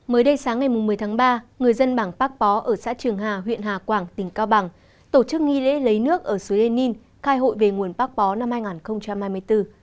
mới đây sáng ngày một mươi tháng ba người dân bản bác bó ở xã trường hà huyện hà quảng tỉnh cao bằng tổ chức nghi lễ lấy nước ở suối lê ninh khai hội về nguồn bác bó năm hai nghìn hai mươi bốn